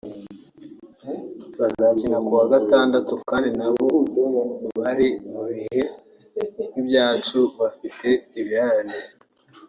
azakina ku wa Gatandatu kandi nabo bari mu bihe nk’ibyacu (bafite ibirarane)